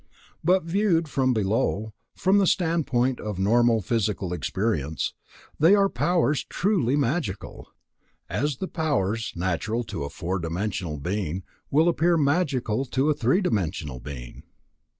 But viewed from below, from the standpoint of normal physical experience, they are powers truly magical; as the powers natural to a four dimensional being will appear magical to a three dimensional being.